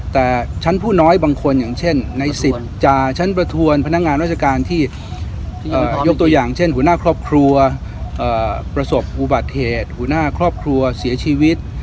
แต่ชั้นผู้น้อยบางคนอย่างเช่นในสิทธิ์จาชั้นประทวนพนักงานราชการที่ยกตัวอย่างเช่นหัวหน้าครอบครัวประสบอุบัติเหตุหัวหน้าครอบครัวเสียชีวิต